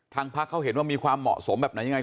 พักเขาเห็นว่ามีความเหมาะสมแบบไหนยังไง